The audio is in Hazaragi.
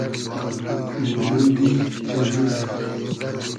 نومودی وجودی